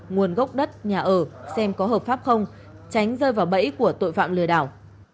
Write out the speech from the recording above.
nguồn gốc đất nhà ở xem có hợp pháp không tránh rơi vào bẫy của tội phạm lừa đảo